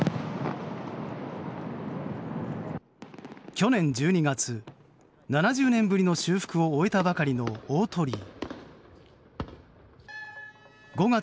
去年１２月、７０年ぶりの修復を終えたばかりの大鳥居。